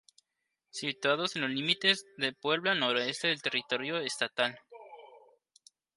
Situado en los límites con Puebla al noroeste del territorio estatal.